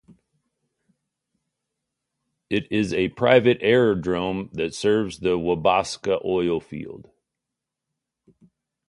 It is a private aerodrome that serves the Wabasca oil field.